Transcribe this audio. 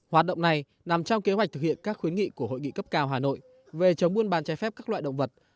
hoạt động này nằm trong kế hoạch thực hiện các khuyến nghị của hội nghị cấp cao hà nội về chống buôn bán trái phép các loại động vật